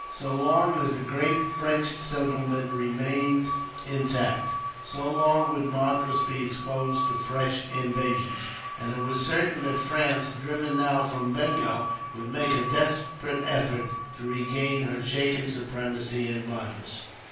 So long as the great French settlement remained intact, so long would Madras be exposed to fresh invasions; and it was certain that France, driven now from Bengal, would make a desperate effort to regain her shaken supremacy in Madras.